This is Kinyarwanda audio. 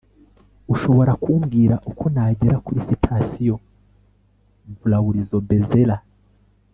ushobora kumbwira uko nagera kuri sitasiyo? brauliobezerra